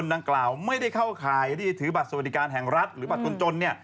ที่จะถือบัตรสวัสดิการแห่งรัฐหรือบัตรคุณจน